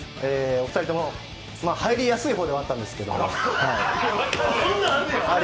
お二人とも入りやすい方ではあったんですけれども。